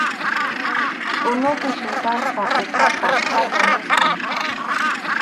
Unupi tuntasqa uqaqa khaya nisqam.